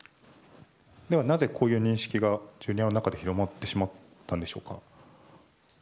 では、なぜこういう認識がＪｒ．の中で広まってしまったんでしょうか。